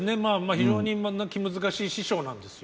非常に気難しい師匠なんですよ。